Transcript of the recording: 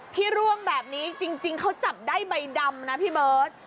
ร่วงแบบนี้จริงเขาจับได้ใบดำนะพี่เบิร์ต